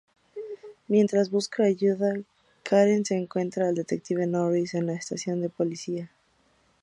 Mientras busca ayuda, Karen encuentra al detective Norris en la estación de policía.